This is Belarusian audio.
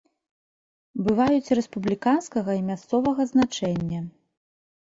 Бываюць рэспубліканскага і мясцовага значэння.